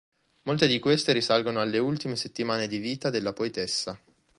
Molte di queste risalgono alle ultime settimane di vita della poetessa.